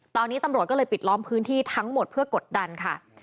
ตอนนี้ตำรวจก็เลยปิดล้อมพื้นที่ทั้งหมดเพื่อกดดันค่ะ